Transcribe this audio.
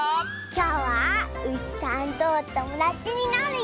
きょうはうしさんとおともだちになるよ！